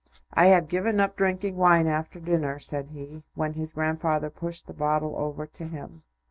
"I have given up drinking wine after dinner," said he, when his grandfather pushed the bottle over to him.